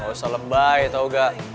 gak usah lebay tau gak